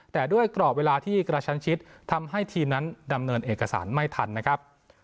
แต่ด้วยกรอบเวลาที่กระชันชิดทำให้ทีมนั้นดำเนินเอกสารไม่ทันนะครับ